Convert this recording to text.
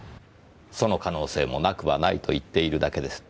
その可能性もなくはないと言っているだけです。